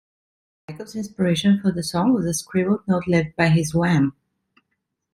Michael's inspiration for the song was a scribbled note left by his Wham!